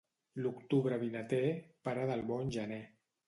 L'octubre vinater, pare del bon gener.